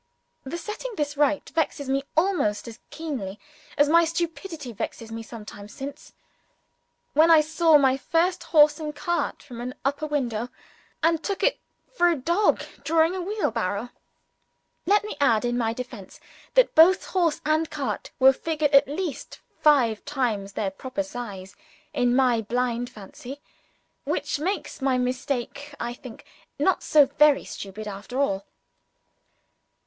The setting this right still vexes me almost as keenly as my stupidity vexed me some time since, when I saw my first horse and cart from an upper window, and took it for a dog drawing a wheelbarrow! Let me add in my own defence that both horse and cart were figured at least five times their proper size in my blind fancy, which makes my mistake, I think, not so very stupid after all.